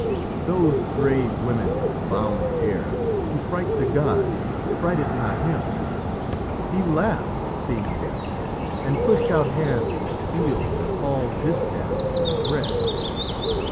"Those grey women with bound hair Who fright the gods frighted not him; he laughed Seeing them, and pushed out hands to feel and haul Distaff and thread."